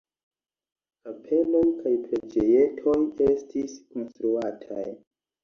Kapeloj kaj preĝejetoj estis konstruataj.